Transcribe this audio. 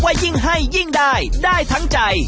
ยิ่งให้ยิ่งได้ได้ทั้งใจ